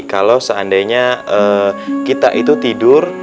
kalau seandainya kita itu tidur